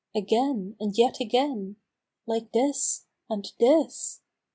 Again, and yet again ! Like this— and this!